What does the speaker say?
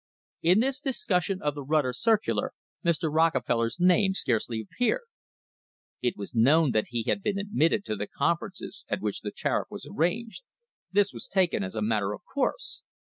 In this discussion of the Rutter circular Mr. Rockefeller's name scarcely appeared. It was known that he had been admitted to the conferences at which the tariff was arranged. This was taken as a matter of course.